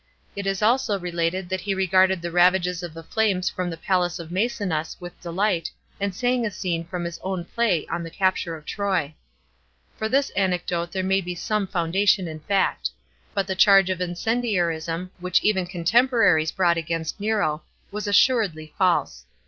It is also related that he regarded the ravages of the flames from 64 A.D. THE GKEAT FIEE AT ROME. 287 the palace of Maecenns with delight, and snng a «cene f om I is own play on the Capture of Troy. For this anecdo e there may U some foundation in fact. But the charge of incendiarism, which even contemporaries brought against Nero, was assuredly false.